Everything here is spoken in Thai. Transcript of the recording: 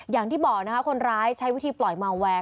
อย่างที่บอกนะคะคนร้ายใช้วิธีปล่อยเมาแวร์